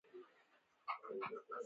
تیمورشاه پر بهاول خان باندي حمله کړې.